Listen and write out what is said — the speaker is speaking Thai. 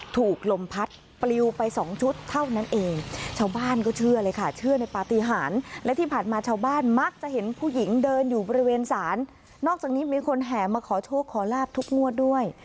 เท่านั้นเองชาวบ้านก็เชื่อเลยค่ะเชื่อในปฏิหารและที่ผ่านมาชาวบ้านมากจะเห็นผู้หญิงเดินอยู่ระยะเวียนศาลนอกจากนี้มีคนแห่มาขอโชคขอระบทุกงวดด้วย